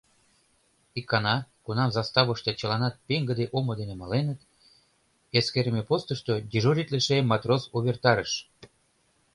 Икана, кунам заставыште чыланат пеҥгыде омо дене маленыт, эскерыме постышто дежуритлыше матрос увертарыш: